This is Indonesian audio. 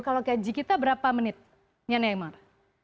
kalau gaji kita berapa menitnya neymar